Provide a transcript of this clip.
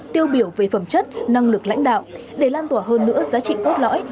tiêu biểu về phẩm chất năng lực lãnh đạo để lan tỏa hơn nữa giá trị cốt lõi